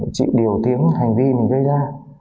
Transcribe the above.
phải chịu điều tiếng hành vi mình gây ra